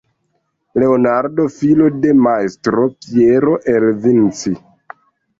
Leonardo, filo de majstro Piero, el Vinci.